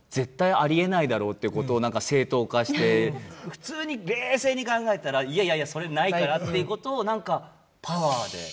普通に冷静に考えたら「いやいやそれないから」っていうことを何かパワーで。